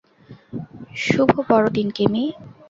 শুভ বড়দিন, কিমি।